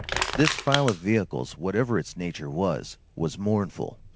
This file of vehicles, whatever its nature was, was mournful.